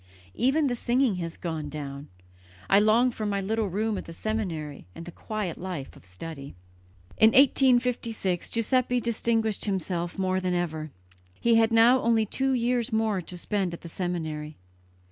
"Even the singing has gone down. I long for my little room at the seminary and the quiet life of study." In 1856 Giuseppe distinguished himself more than ever, He had now only two years more to spend at the seminary.